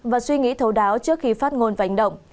và suy nghĩ thấu đáo